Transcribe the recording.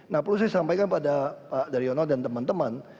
nah perlu saya sampaikan pada pak daryono dan teman teman